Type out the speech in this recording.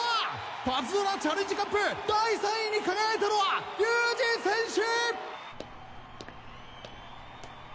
パズドラチャレンジカップ第３位に輝いたのは龍二選手！